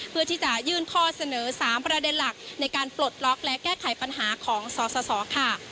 เพื่อที่จะยื่นข้อเสนอ๓ประเด็นหลักในการปลดล็อกและแก้ไขปัญหาของสสค่ะ